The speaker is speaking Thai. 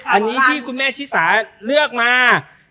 อันนี้ที่คุณแม่ชิสาเลือกมา